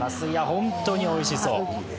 本当においしそう。